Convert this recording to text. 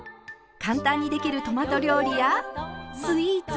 簡単にできるトマト料理やスイーツ。